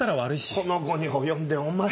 この期に及んでお前は。